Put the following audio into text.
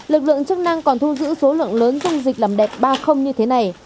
lực lượng chức năng còn thu giữ số lượng lớn dung dịch làm đẹp ba như thế này